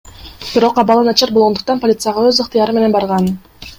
Бирок абалы начар болгондуктан полицияга өз ыктыяры менен барган.